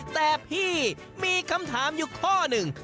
แต่พี่มีคำถามอยู่ข้อหนึ่ง